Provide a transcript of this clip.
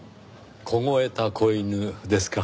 凍えた子犬ですか。